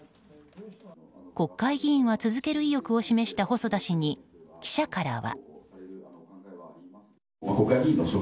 国会議員は続ける意欲を示した細田氏に記者からは。